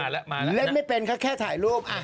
คนที่ชอบเรียกไม่เป็นเค้าแค่ถ่ายรูป